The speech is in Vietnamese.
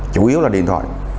chủ yếu là điện thoại